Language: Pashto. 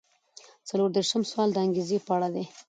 څلور دېرشم سوال د انګیزې په اړه دی.